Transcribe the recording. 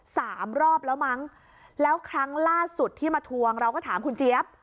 สามรอบแล้วมั้งแล้วครั้งล่าสุดที่มาทวงเราก็ถามคุณเจี๊ยบ